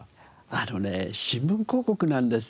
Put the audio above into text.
あのね新聞広告なんですよ。